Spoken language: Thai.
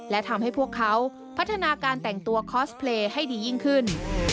และทำให้พวกเขาพัฒนาการแต่งตัวคอสเพลย์ให้ดียิ่งขึ้น